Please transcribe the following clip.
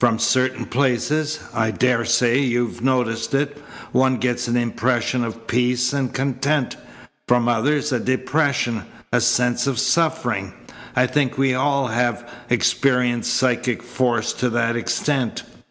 From certain places I daresay you've noticed it one gets an impression of peace and content; from others a depression, a sense of suffering. I think we have all experienced psychic force to that extent.